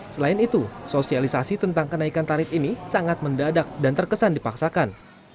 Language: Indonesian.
selain itu sosialisasi tentang kenaikan tarif ini sangat mendadak dan terkesan dipaksakan